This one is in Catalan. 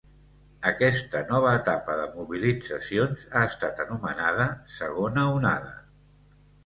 Aquesta nova etapa de mobilitzacions ha estat anomenada segona onada.